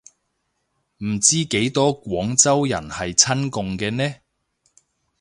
唔知幾多廣州人係親共嘅呢